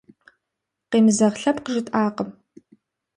Къемызэгъ лъэпкъ жытӏакъым.